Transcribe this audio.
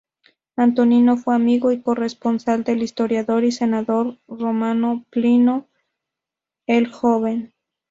Antonino fue amigo y corresponsal del historiador y senador romano Plinio el Joven.